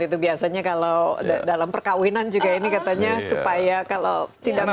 itu biasanya kalau dalam perkawinan juga ini katanya supaya kalau tidak mau